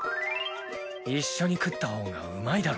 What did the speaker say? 一緒に食ったほうがうまいだろ。